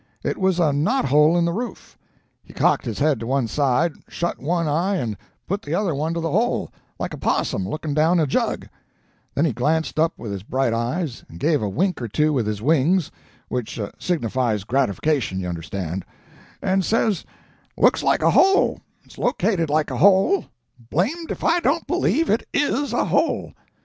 It was a knot hole in the roof. He cocked his head to one side, shut one eye and put the other one to the hole, like a possum looking down a jug; then he glanced up with his bright eyes, gave a wink or two with his wings which signifies gratification, you understand and says, 'It looks like a hole, it's located like a hole blamed if I don't believe it IS a hole!'